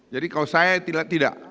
jadi kalau saya tidak